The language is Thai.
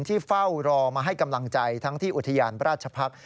ที่เฝ้ารอมาให้กำลังใจทั้งที่อุทยานราชพักษ์